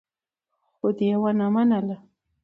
خو دې ونه منله.